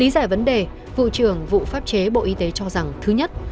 với vấn đề vụ trưởng vụ pháp chế bộ y tế cho rằng thứ nhất